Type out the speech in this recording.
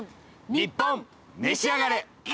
『ニッポンめしあがれ』！